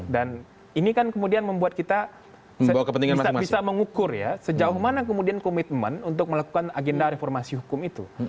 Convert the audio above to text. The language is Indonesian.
dan ini kan kemudian membuat kita bisa mengukur ya sejauh mana kemudian komitmen untuk melakukan agenda reformasi hukum itu